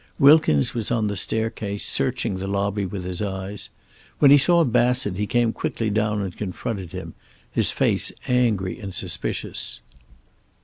Wilkins was on the staircase, searching the lobby with his eyes. When he saw Bassett he came quickly down and confronted him, his face angry and suspicious.